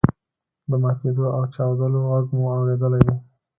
د ماتیدو او چاودلو غږ مو اوریدلی دی.